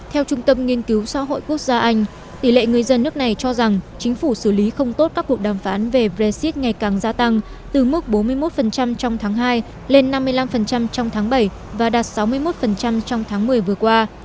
theo trung tâm nghiên cứu xã hội quốc gia anh tỷ lệ người dân nước này cho rằng chính phủ xử lý không tốt các cuộc đàm phán về brexit ngày càng gia tăng từ mức bốn mươi một trong tháng hai lên năm mươi năm trong tháng bảy và đạt sáu mươi một trong tháng một mươi vừa qua